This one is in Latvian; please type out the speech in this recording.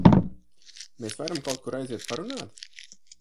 Mēs varam kaut kur aiziet parunāt?